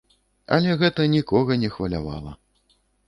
Але гэта нікога не хвалявала.